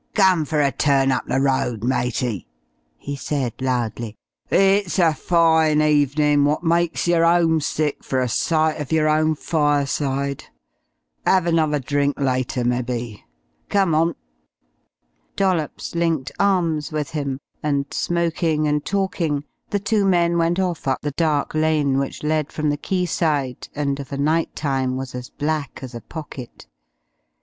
"Come fer a turn up the road, matey," he said loudly. "It's a fine evenin' wot mykes yer 'omesick fer a sight uf yer own fireside. 'Ave another drink later, mebbe. Come on." Dollops linked arms with him, and, smoking and talking, the two men went off up the dark lane which led from the quayside, and of a night time was as black as a pocket.